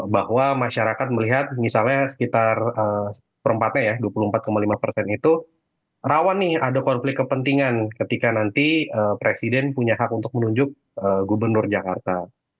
bahwa masyarakat melihat misalnya sekitar per empatnya ya dua puluh empat lima persen itu rawan nih ada konflik kepentingan ketika nanti presiden punya hak untuk menunjuk gubernur jakarta